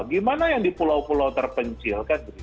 gimana yang di pulau pulau terpencil